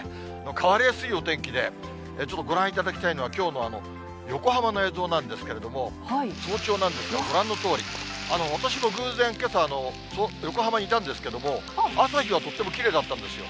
変わりやすいお天気で、ちょっとご覧いただきたいのは、きょうの横浜の映像なんですけれども、早朝なんですが、ご覧のとおり、私も偶然、けさ、横浜にいたんですけれども、朝日はとってもきれいだったんですよ。